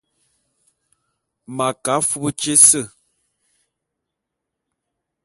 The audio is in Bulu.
M'a ke afub tyé ése.